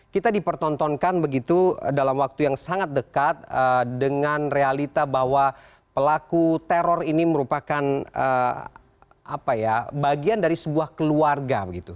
kita dipertontonkan begitu dalam waktu yang sangat dekat dengan realita bahwa pelaku teror ini merupakan bagian dari sebuah keluarga